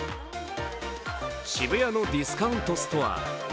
渋谷のディスカウントストア。